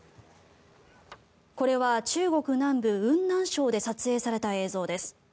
これは中国南部雲南省で撮影された映像です。